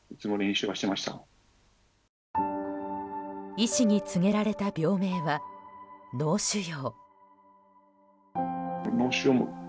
医師に告げられた病名は脳腫瘍。